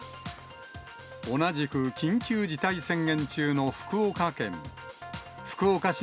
同じく緊急事態宣言中の福岡県。